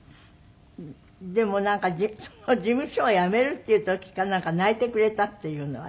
でもその事務所をやめるっていう時かなんか泣いてくれたっていうのは？